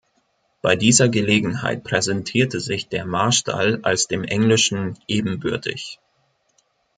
Bei dieser Gelegenheit präsentierte sich der Marstall als dem englischen ebenbürtig.